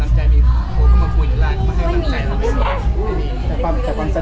น้ำใจมีคนก็มาพูดอย่างไรไม่ให้น้ำใจมีคนพูดอย่างไร